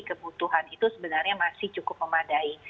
kebutuhan itu sebenarnya masih cukup memadai